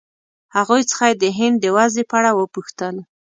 له هغوی څخه یې د هند د وضعې په اړه وپوښتل.